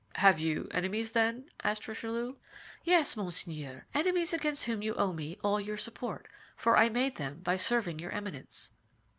"Have you enemies, then?" asked Richelieu. "Yes, monseigneur, enemies against whom you owe me all your support, for I made them by serving your Eminence."